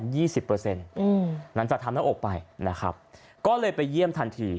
หลังจากทำนั่งอกไปนะครับก็เลยไปเยี่ยมทันที